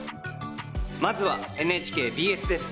まずは、ＮＨＫＢＳです。